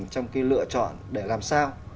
trong cái lựa chọn để làm sao